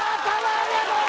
ありがとうー！